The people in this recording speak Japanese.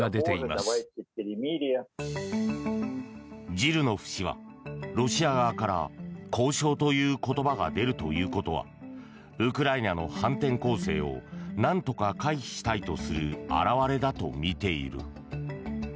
ジルノフ氏はロシア側から交渉という言葉が出るということはウクライナの反転攻勢をなんとか回避したいとする表れだとみている。